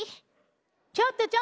ちょっとちょっと！